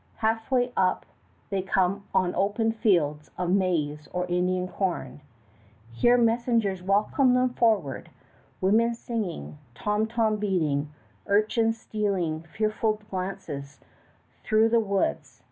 Halfway up they come on open fields of maize or Indian corn. Here messengers welcome them forward, women singing, tom tom beating, urchins stealing fearful glances through the woods.